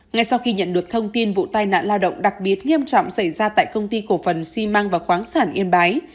ngay sau khi nhận được thông tin vụ tai nạn lao động đặc biệt nghiêm trọng xảy ra tại công ty cổ phần xi măng và khoáng sản yên bái